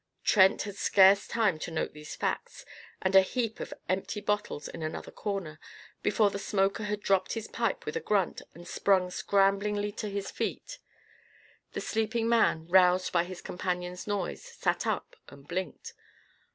Trent had scarce time to note these facts and a heap of empty bottles in another corner, before the smoker had dropped his pipe with a grunt and sprung scramblingly to his feet. The sleeping man, roused by his companion's noise, sat up and blinked.